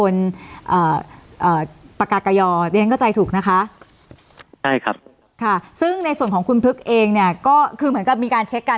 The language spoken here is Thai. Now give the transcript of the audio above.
เลยส่วนของคุณเฟื้อกเองก็มีการเช็คกันเอง